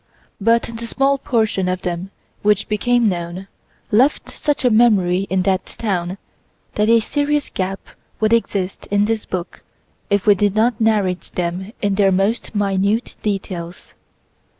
But the small portion of them which became known left such a memory in that town that a serious gap would exist in this book if we did not narrate them in their most minute details.